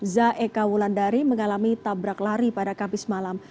za eka wulandari mengalami tabrak lari pada kamis malam